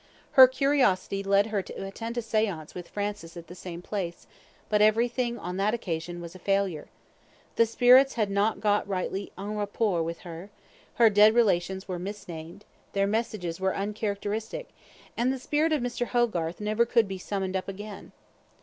Her curiosity led her to attend a seance with Francis at the same place, but everything on that occasion was a failure. The spirits had not got rightly EN RAPPORT with her; her dead relations were misnamed; their messages were uncharacteristic; and the spirit of Mr. Hogarth never could be summoned up again.